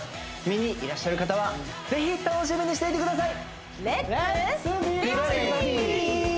見にいらっしゃる方はぜひ楽しみにしていてください！